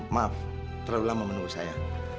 maaf terlalu lama menunggu saya